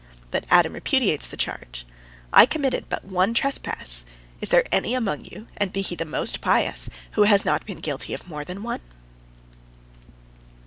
But Adam repudiates the charge: "I committed but one trespass. Is there any among you, and be he the most pious, who has not been guilty of more than one?"